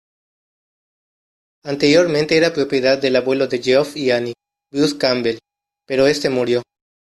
Anteriormente era propiedad del abuelo de Geoff y Annie, Bruce Campbell, pero este murió.